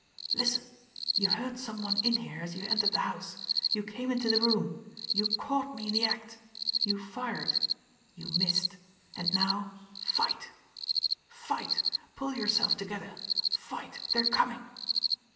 "Listen! You heard some one in here as you entered the house you came into the room you caught me in the act you fired you missed. And now fight! Fight pull yourself together fight. They are coming!"